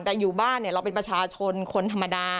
แต่อยู่บ้านเนี่ยเราเป็นประชาชนคนธรรมดา